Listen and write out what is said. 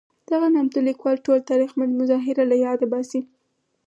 دغه نامتو لیکوال ټول تاریخمن مظاهر له یاده باسي.